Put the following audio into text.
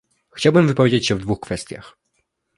Chciałabym wypowiedzieć się w dwóch kwestiach